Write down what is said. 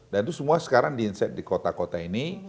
dan itu semua sekarang diinset di kota kota ini